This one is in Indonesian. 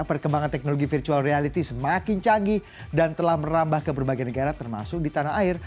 perkembangan teknologi virtual reality semakin canggih dan telah merambah ke berbagai negara termasuk di tanah air